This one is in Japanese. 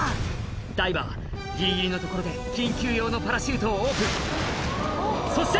ダイバーギリギリのところで緊急用のパラシュートをオープンそして